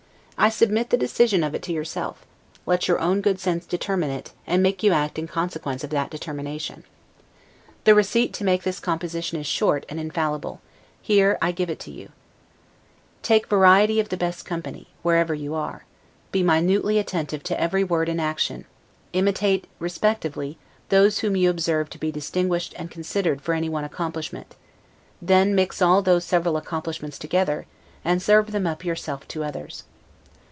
I submit the decision of it to yourself; let your own good sense determine it, and make you act in consequence of that determination. The receipt to make this composition is short and infallible; here I give it to you: Take variety of the best company, wherever you are; be minutely attentive to every word and action; imitate respectively those whom you observe to be distinguished and considered for any one accomplishment; then mix all those several accomplishments together, and serve them up yourself to others.